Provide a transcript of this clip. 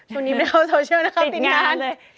ตรงนี้ไปเข้าโซเชียลนะครับติดงานติดงานเลย